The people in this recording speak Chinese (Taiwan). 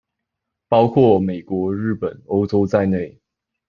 包括美國、日本、歐洲在內